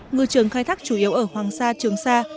ngư trường khai thác chủ yếu ở hoàng sa trường sa